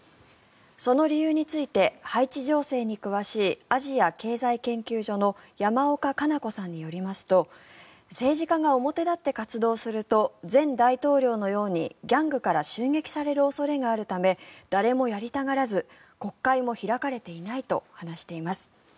その理由についてハイチ情勢に詳しいアジア経済研究所の山岡加奈子さんによりますと政治家が表立って活動すると前大統領のようにギャングから襲撃される恐れがあるため誰もやりたがらず国会も開かれていないと話しています。